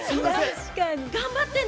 頑張ってね。